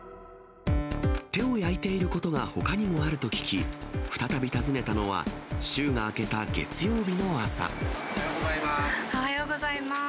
手を焼いていることがほかにもあると聞き、再び訪ねたのは、おはようございます。